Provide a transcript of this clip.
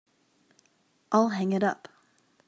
I'll hang it up.